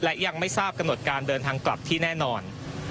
และยังไม่ทราบกำหนดการเดินทางกลับที่แน่นอน